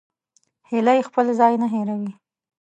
هیلۍ خپل ځای نه هېروي